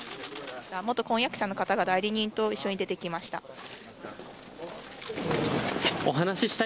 元婚約者の方が代理人と一緒に出てきました。